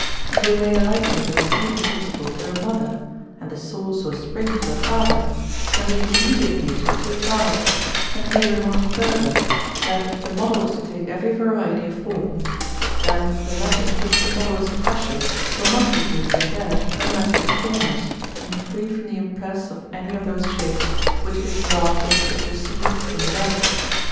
And we may liken the receiving principle to a mother, and the source or spring to a father, and the intermediate nature to a child; and may remark further, that if the model is to take every variety of form, then the matter in which the model is fashioned will not be duly prepared, unless it is formless, and free from the impress of any of those shapes which it is hereafter to receive from without.